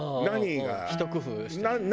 ひと工夫して。